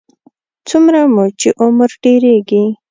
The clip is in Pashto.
څومره مو چې عمر ډېرېږي.